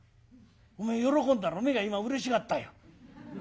おめえ喜んだろ目が今うれしがったよ。